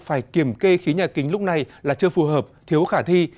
phải kiểm kê khí nhà kính lúc này là chưa phù hợp thiếu khả thi